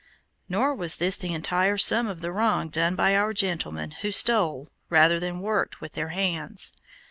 Nor was this the entire sum of the wrong done by our gentlemen who stole rather than worked with their hands.